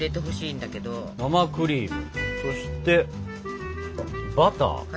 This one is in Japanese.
生クリームそしてバター。